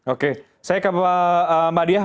oke saya ke mbak diah